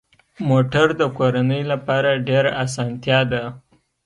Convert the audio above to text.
موټر د کورنۍ لپاره ډېره اسانتیا ده.